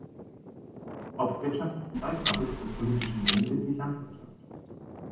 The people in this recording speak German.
Hauptwirtschaftszweig war bis zur politischen Wende die Landwirtschaft.